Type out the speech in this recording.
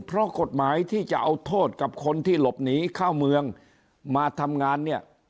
เพราะกฎหมายที่จะเอาโทษกับคนที่หลบหนีเข้าเมืองมาทำงานเนี่ย